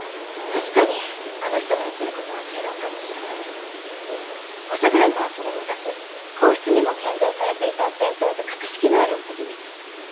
確かにあの人の言ってる事は正論かもしれないけど御所車はその昔皇室にも献上されていた伝統と格式のあるお酒です。